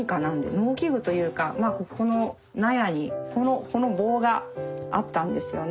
農機具というかここの納屋にこの棒があったんですよね。